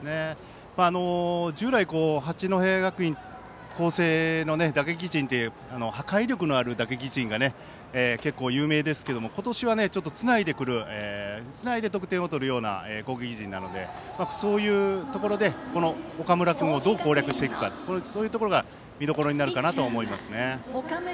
従来、八戸学院光星の打撃陣っていうのは破壊力のある打撃陣が結構、有名ですけども今年はつないで得点を取るような攻撃陣なのでそういうところで岡村君をどう攻略するかそういうところが見どころになるかなと思いますね。